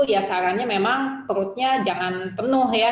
ya sarannya memang perutnya jangan penuh ya